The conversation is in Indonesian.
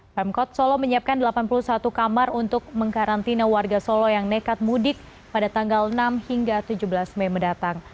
pemkot solo menyiapkan delapan puluh satu kamar untuk mengkarantina warga solo yang nekat mudik pada tanggal enam hingga tujuh belas mei mendatang